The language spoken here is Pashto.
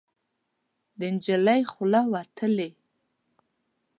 د نجلۍ خوله وتلې